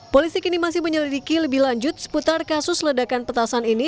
polisi kini masih menyelidiki lebih lanjut seputar kasus ledakan petasan ini